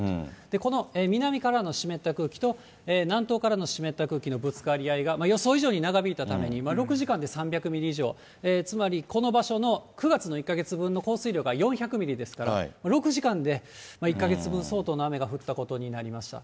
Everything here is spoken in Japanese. この南からの湿った空気と南東からの湿った空気のぶつかり合いが、予想以上に長引いたために、６時間で３００ミリ以上、つまりこの場所の９月の１か月分の降水量が４００ミリですから、６時間で１か月分相当の雨が降ったことになりました。